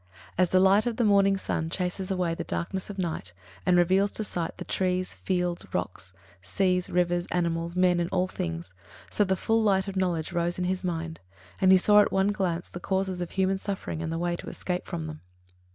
As the light of the morning sun chases away the darkness of night, and reveals to sight the trees, fields, rocks, seas, rivers, animals, men and all things, so the full light of knowledge rose in his mind, and he saw at one glance the causes of human suffering and the way to escape from them.